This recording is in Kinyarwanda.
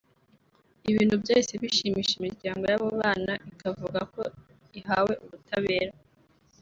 ibintu byahise bishimisha imiryango yabo bana ikavuga ko ihawe ubutabera